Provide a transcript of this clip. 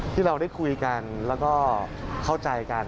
ที่เราได้คุยกันแล้วก็เข้าใจกัน